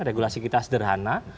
regulasi kita sederhana